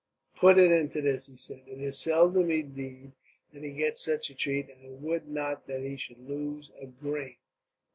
"Put it into this," he said. "It is seldom, indeed, that he gets such a treat; and I would not that he should lose a grain."